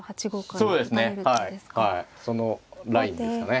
そのラインですかね。